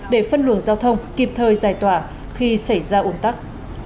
để phân luồng giao thông kịp thời giải tỏa khi xảy ra ủn tắc